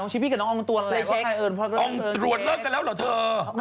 ชิปปี้กับอองด้วยเหรอ